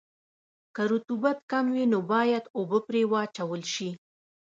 که رطوبت کم وي نو باید اوبه پرې واچول شي